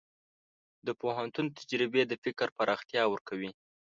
د پوهنتون تجربې د فکر پراختیا ورکوي.